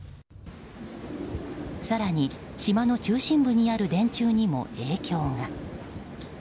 更に島の中心部にある電柱にも影響が。